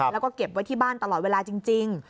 แล้วก็เก็บไว้ที่บ้านตลอดเวลาจริง